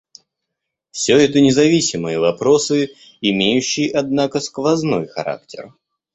Все это независимые вопросы, имеющие, однако, сквозной характер.